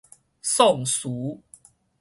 宋詞